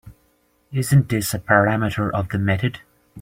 Isn’t this a parameter of the method?